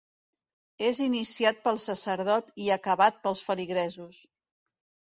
És iniciat pel sacerdot i acabat pels feligresos.